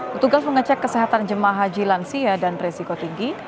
petugas mengecek kesehatan jemaah haji lansia dan resiko tinggi